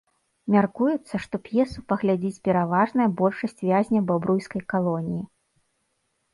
Мяркуецца, што п'есу паглядзіць пераважная большасць вязняў бабруйскай калоніі.